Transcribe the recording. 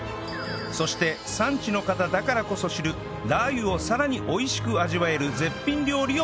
そして産地の方だからこそ知るラー油をさらに美味しく味わえる絶品料理を学びます